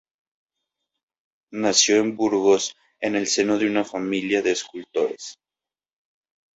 Nació en Burgos, en el seno de una familia de escultores.